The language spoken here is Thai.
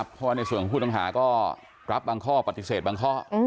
เพราะว่าในส่วนของผู้ต้องหาก็รับบางข้อปฏิเสธบางข้อ